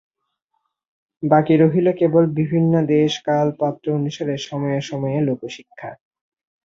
বাকী রহিল কেবল বিভিন্ন দেশ-কাল-পাত্র-অনুসারে সময়ে সময়ে লোকশিক্ষা।